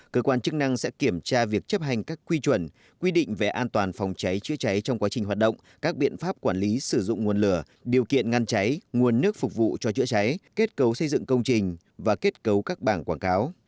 cơ quan chức năng sẽ kiểm tra việc chấp hành các quy chuẩn quy định về an toàn phòng cháy chữa cháy trong quá trình hoạt động các biện pháp quản lý sử dụng nguồn lửa điều kiện ngăn cháy nguồn nước phục vụ cho chữa cháy kết cấu xây dựng công trình và kết cấu các bảng quảng cáo